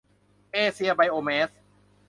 เอเชีย ไบโอแมส